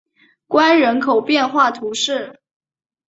关人口变化图示